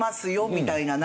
みたいな。